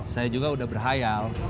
saya juga udah berhayal